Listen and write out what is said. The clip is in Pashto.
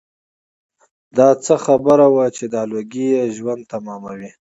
دای څه خبر و چې دا لوګي یې ژوند تماموي.